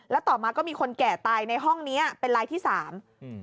แล้วต่อมาก็มีคนแก่ตายในห้องเนี้ยเป็นลายที่สามอืม